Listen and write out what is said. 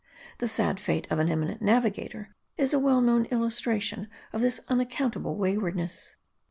The sad fate of an emi nent navigator is a well known illustration of this unac countable waywardness.